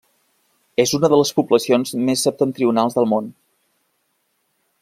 És una de les poblacions més septentrionals del món.